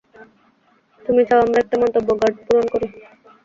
তুমি চাও আমরা একটা মন্তব্য কার্ড পূরণ করি?